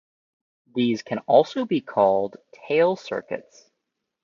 These can also be called tail circuits.